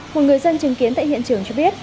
một người dân chứng kiến tại hiện trường cho biết